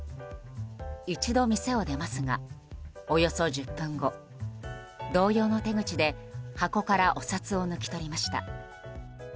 一度、店を出ますがおよそ１０分後同様の手口で箱からお札を抜き取りました。